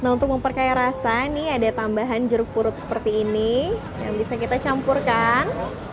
nah untuk memperkaya rasa nih ada tambahan jeruk purut seperti ini yang bisa kita campurkan